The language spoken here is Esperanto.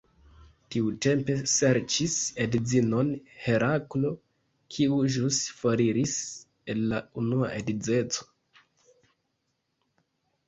Tiutempe serĉis edzinon Heraklo, kiu ĵus foriris el la unua edzeco.